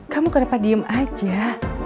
kamu kenapa diem aja